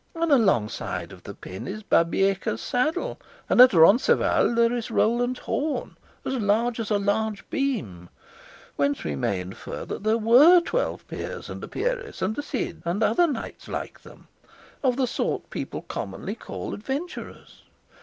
And alongside of the pin is Babieca's saddle, and at Roncesvalles there is Roland's horn, as large as a large beam; whence we may infer that there were Twelve Peers, and a Pierres, and a Cid, and other knights like them, of the sort people commonly call adventurers.